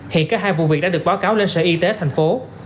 hiện cả hai vụ việc đã được báo cáo lên sở y tế tp hcm